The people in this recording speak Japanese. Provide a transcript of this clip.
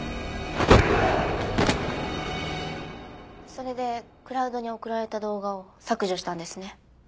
それでクラウドに送られた動画を削除したんですね？